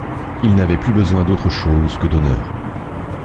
Il n'avait plus besoin d'autre chose que d'honneurs.